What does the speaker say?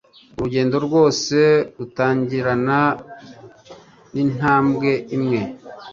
Urugendo rwose rutangirana nintambwe imwe.